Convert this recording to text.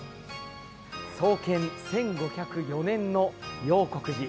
創建１５０４年の永谷寺。